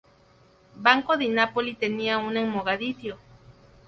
Banco di Napoli tenía una en Mogadiscio.